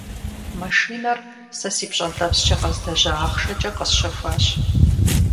Машинэр сэ си пщӀэнтӀэпскӀэ къэзлэжьа ахъшэкӀэ къэсщэхуащ.